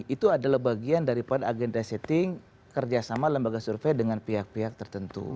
itu adalah bagian daripada agenda setting kerjasama lembaga survei dengan pihak pihak tertentu